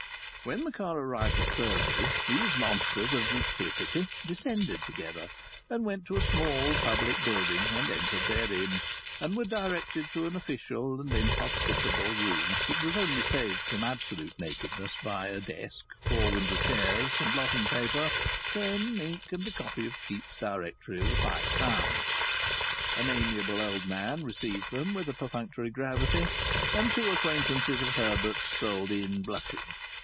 When the car arrived at Bursley these monsters of duplicity descended together, and went to a small public building and entered therein, and were directed to an official and inhospitable room which was only saved from absolute nakedness by a desk, four Windsor chairs, some blotting paper, pens, ink and a copy of Keats's Directory of the Five Towns. An amiable old man received them with a perfunctory gravity, and two acquaintances of Herbert's strolled in, blushing.